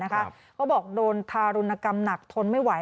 เขาบอกโดนทารุณกรรมหนักทนไม่ไหว